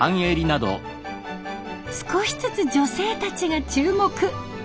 少しずつ女性たちが注目。